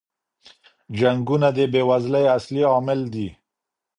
جنګونه د بې وزلۍ اصلی عامل دي.